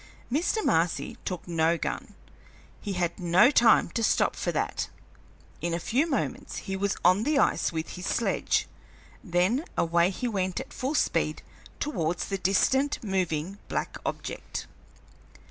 Mr. Marcy took no gun; he had no time to stop for that. In a few moments he was on the ice with his sledge, then away he went at full speed towards the distant moving black object.